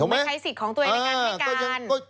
ไม่ใช้สิทธิ์ของตัวเองในการให้การ